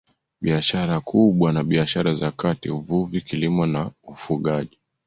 Biashara kubwa na biashara za kati Uvuvi Kilimo na Ufugaji